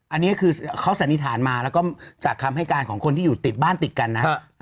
อันนี้คือเขาสันนิษฐานมาแล้วก็จากคำให้การของคนที่อยู่ติดบ้านติดกันนะ